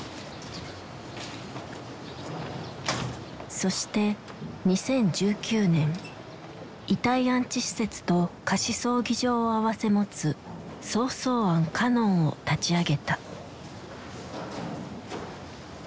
そして２０１９年遺体安置施設と貸し葬儀場をあわせ持つ「想送庵カノン」を立ち上げた。